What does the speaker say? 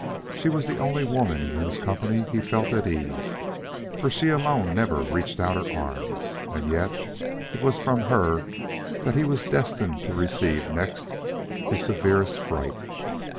She was the only woman in whose company he felt at ease, for she alone never reached out her arms. And yet it was from her that he was destined to receive next to his severest fright.